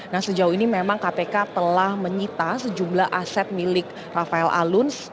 nah sejauh ini memang kpk telah menyita sejumlah aset milik rafael alun